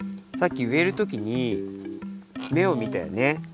さっきうえる時にめをみたよね。